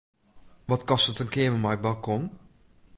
Wat kostet in keamer mei balkon?